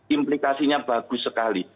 implikasinya bagus sekali